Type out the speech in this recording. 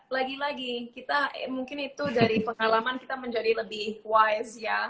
lagi lagi mungkin itu dari pengalaman kita menjadi lebih wise ya